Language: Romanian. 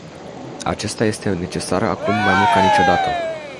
Acesta este necesar acum mai mult ca niciodată.